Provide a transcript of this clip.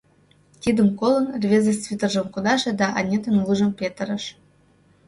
Тидым колын, рвезе свитержым кудаше да Анитан вуйжым петырыш.